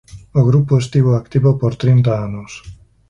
O grupo estivo activo por trinta anos.